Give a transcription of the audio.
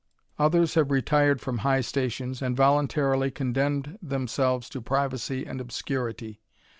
Others have retired from high stations, and voluntarily ^ndemned themselves to privacy and obscurity.